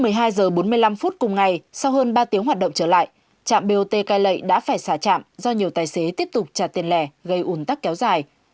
một mươi hai h bốn mươi năm phút cùng ngày sau hơn ba tiếng hoạt động trở lại trạm bot cai lệ đã phải xả trạm do nhiều tài xế tiếp tục trả tiền lẻ gây ủn tắc kéo dài